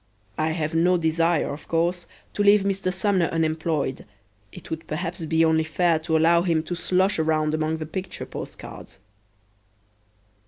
I have no desire, of course, to leave Mr. Sumner unemployed it would perhaps be only fair to allow him to slosh around among the picture post cards.